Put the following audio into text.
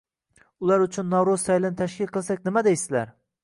Ular uchun Navruz saylini tashkil qilsak nima deysilar...